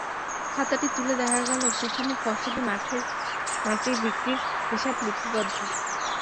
খাতাটি তুলে দেখা গেল, সেখানে ফসলি মাঠের মাটি বিক্রির হিসাব লিপিবদ্ধ।